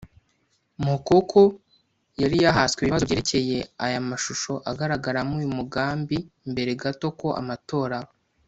Mokoko yari yarahaswe ibibazo byerekeye aya mashusho agaragaramo uyu mugambi mbere gato ko amatora aba